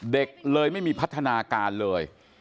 เด็กเลยไม่มีพัฒนาการเลย